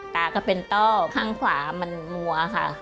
ตาก็เป็นต้อข้างขวามันมัวค่ะ